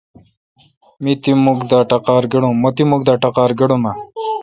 مہ تی مکھ دا اٹقار گڑومہ۔